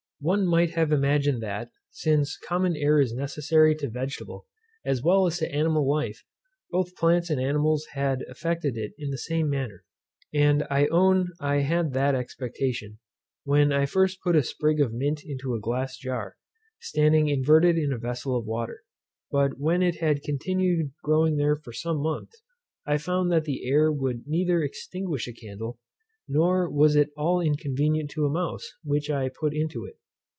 One might have imagined that, since common air is necessary to vegetable, as well as to animal life, both plants and animals had affected it in the same manner; and I own I had that expectation, when I first put a sprig of mint into a glass jar, standing inverted in a vessel of water: but when it had continued growing there for some months, I found that the air would neither extinguish a candle, nor was it at all inconvenient to a mouse, which I put into it.